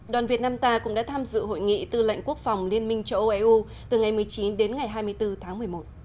đoàn việt nam ta cũng đã tham dự hội nghị tư lệnh quốc phòng liên minh châu âu eu từ ngày một mươi chín đến ngày hai mươi bốn tháng một mươi một